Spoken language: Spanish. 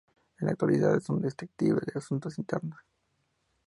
En la actualidad, es un detective de Asuntos Internos.